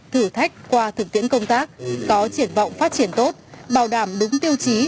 thử thách qua thực tiễn công tác có triển vọng phát triển tốt bảo đảm đúng tiêu chí